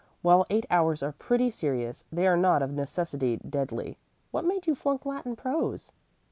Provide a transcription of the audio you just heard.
While eight hours are pretty serious, they are not of necessity deadly. What made you flunk Latin prose?"